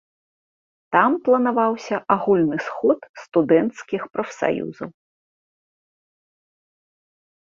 Там планаваўся агульны сход студэнцкіх прафсаюзаў.